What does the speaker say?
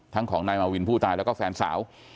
ของนายมาวินผู้ตายแล้วก็แฟนสาว